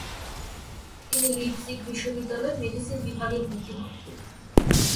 তিনি লিপজিগ বিশ্ববিদ্যালয়ে মেডিসিন বিভাগে ভর্তি হন।